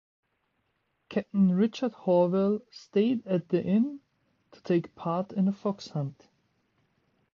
Captain Richard Harwell stayed at the inn to take part in a fox hunt.